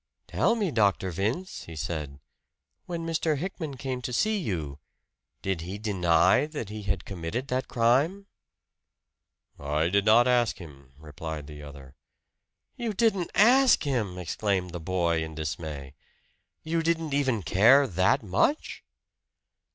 "Tell me, Dr. Vince," he said. "When Mr. Hickman came to see you, did he deny that he had committed that crime?" "I did not ask him," replied the other. "You didn't ask him!" exclaimed the boy in dismay. "You didn't even care that much?"